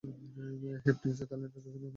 হেই, Finch, থাইল্যান্ডের রাজধানীর নাম কি?